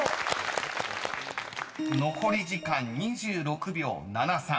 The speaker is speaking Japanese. ［残り時間２６秒７３］